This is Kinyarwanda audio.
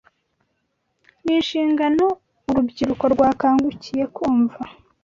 ni inshingano urubyiruko rwakangukiye kumva